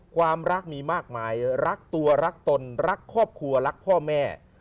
ความรักมีมากมายรักตัวรักตนรักครอบครัวรักพ่อแม่